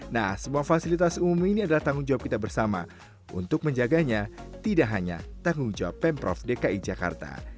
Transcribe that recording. nah semua fasilitas umum ini adalah tanggung jawab kita bersama untuk menjaganya tidak hanya tanggung jawab pemprov dki jakarta